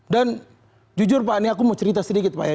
dan jujur pak ini aku mau cerita sedikit pak ya